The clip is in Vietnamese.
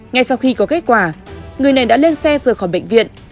ngay sau khi có kết quả người này đã lên xe rời khỏi bệnh viện